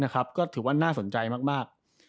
ก็ถือว่าน่าสนใจมาก